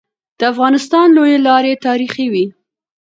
د افغانستان لويي لاري تاریخي وي.